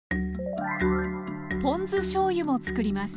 ポン酢しょうゆもつくります。